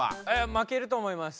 負けると思います。